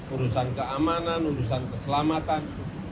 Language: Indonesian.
urusan keamanan urusan keselamatan